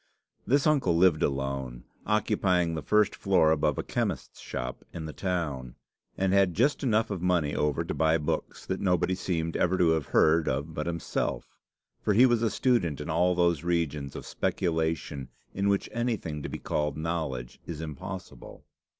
This uncle lived alone, occupying the first floor above a chemist's shop in the town, and had just enough of money over to buy books that nobody seemed ever to have heard of but himself; for he was a student in all those regions of speculation in which anything to be called knowledge is impossible.